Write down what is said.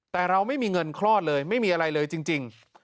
แต่เราไม่มีเงินคลอดเลยไม่มีอะไรเลยจริง